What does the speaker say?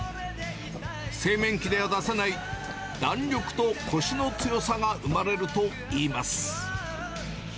製麺機では出せない弾力とこしの強さが生まれるといいます。